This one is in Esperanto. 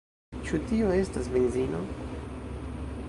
Ĉu tio estas benzino?